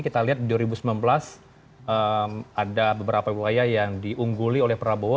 kita lihat di dua ribu sembilan belas ada beberapa buaya yang diungguli oleh prabowo